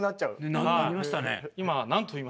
なりましたね。